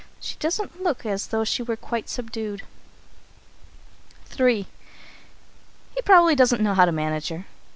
She doesn't look as though she were quite subdued. III. "He probably doesn't know how to manage her.